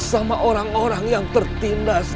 sama orang orang yang tertindas